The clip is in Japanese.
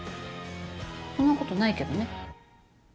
そんなことないけどね。